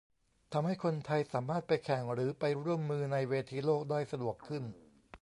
ทำให้คนไทยสามารถไปแข่งหรือไปร่วมมือในเวทีโลกได้สะดวกขึ้น